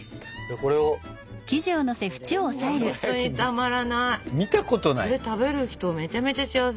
これ食べる人めちゃめちゃ幸せ。